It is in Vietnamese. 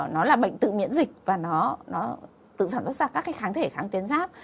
nó là bệnh tự miễn dịch và nó tự sản xuất ra các cái kháng thể kháng tuyến giáp